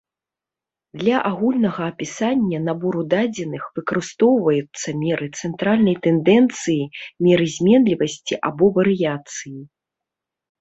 Для агульнага апісання набору дадзеных выкарыстоўваюцца меры цэнтральнай тэндэнцыі, меры зменлівасці або варыяцыі.